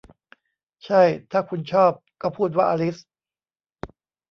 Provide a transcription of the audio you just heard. ใช่ถ้าคุณชอบ ก็พูดว่าอลิซ